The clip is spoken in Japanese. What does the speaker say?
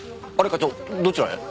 課長どちらへ？